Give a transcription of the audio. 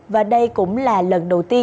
và đây cũng là lần đầu tiên